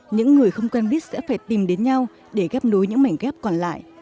những người không quen biết sẽ phải tìm đến nhau để ghép nối những mảnh ghép còn lại